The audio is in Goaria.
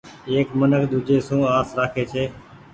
ايڪ منک ۮيجھي سون آس رکي ڇي۔